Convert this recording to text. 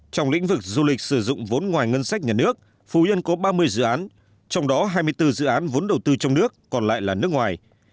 trong lĩnh vực du lịch sử dụng vốn ngoài ngân sách nhà nước phú yên có ba mươi dự án trong đó hai mươi bốn dự án vốn đầu tư trong nước còn lại là nước ngoài